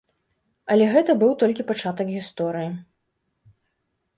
Але гэта быў толькі пачатак гісторыі.